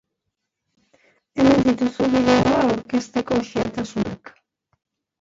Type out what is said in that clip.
Hemen dituzu bideoa aurkezteko xehetasunak.